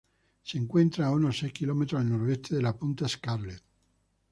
Se encuentra a unos seis kilómetros al noroeste de la punta Scarlett.